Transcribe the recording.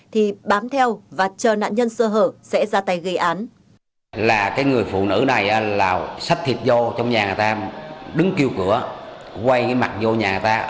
thì bám theo và chờ nạn nhân sơ hở sẽ ra tay gây án